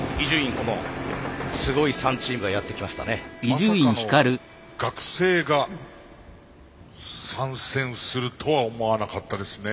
まさかの学生が参戦するとは思わなかったですね。